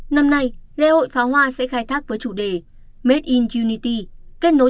năm nay lễ hội phá hoa sẽ khai thác với chủ đề made in unity